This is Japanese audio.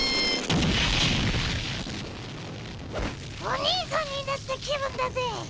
おにいさんになった気分だぜ。